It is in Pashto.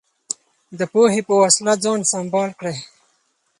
د پوهې په وسله ځان سمبال کړئ.